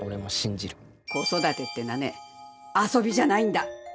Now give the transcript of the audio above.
子育てってのはね遊びじゃないんだ。